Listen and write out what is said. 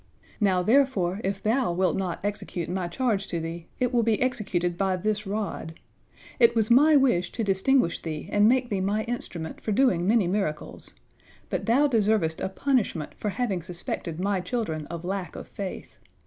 Now, therefore, if thou wilt not execute My charge to thee, it will be executed by this rod. It was My wish to distinguish thee and make thee My instrument for doing many miracles. But thou deservest a punishment for having suspected My children of lack of faith.